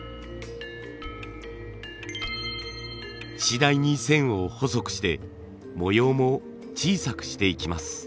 次第に線を細くして模様も小さくしていきます。